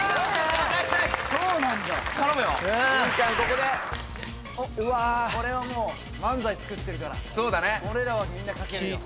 これは漫才作ってるから俺らはみんな書けるよ。